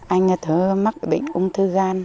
anh thơ mắc bệnh ung thư gan